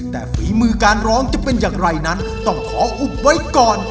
แต่ฝีมือการร้องจะเป็นอย่างไรนั้นต้องขออุบไว้ก่อน